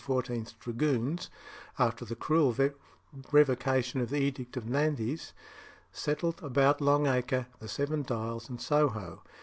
's dragoons after the cruel revocation of the Edict of Nantes settled about Long Acre, the Seven Dials, and Soho.